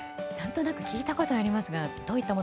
何となく聞いたことがあります。